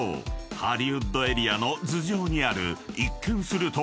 ハリウッド・エリアの頭上にある一見すると］